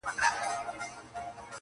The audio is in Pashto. دغه پاڼ به مي په یاد وي له دې دمه٫